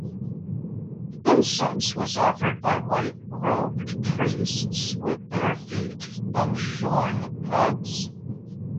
Incense was offered by white-robed priests with bare feet and shorn heads.